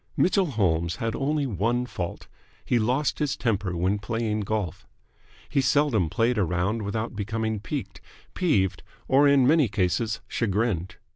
Mitchell Holmes had only one fault. He lost his temper when playing golf. He seldom played a round without becoming piqued, peeved, or in many cases chagrined.